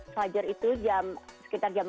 pajer itu sekitar jam empat lima belas